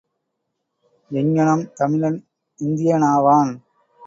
எங்ஙனம் தமிழன் இந்தியனாவான்?